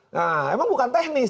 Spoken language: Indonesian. nah emang bukan teknis